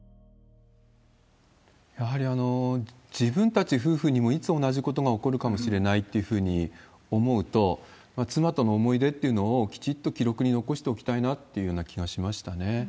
やはり自分たち夫婦にも、いつ同じことが起こるかもしれないっていうふうに思うと、妻との思い出っていうのもきちっと記録に残しておきたいなっていう気がしましたね。